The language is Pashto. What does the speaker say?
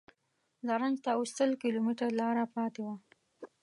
زرنج ته اوس سل کیلومتره لاره پاتې وه.